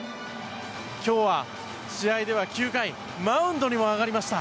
今日は試合では９回マウンドにも上がりました。